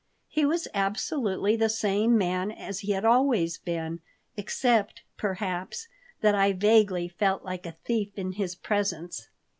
He was absolutely the same man as he had always been, except, perhaps, that I vaguely felt like a thief in his presence.